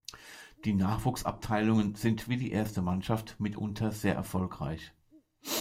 Die Nachwuchsabteilungen sind wie die Erste Mannschaft mitunter sehr erfolgreich.